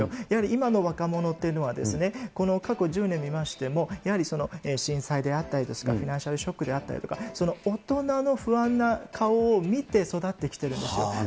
やはり今の若者というのは、この過去１０年見ましても、やはり震災であったりですとか、ショックだったりとか、その大人の不安な顔を見て育ってきてるんですよ。